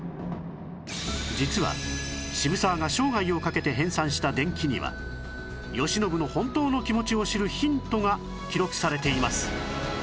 実は渋沢が生涯を懸けて編纂した伝記には慶喜の本当の気持ちを知るヒントが記録されています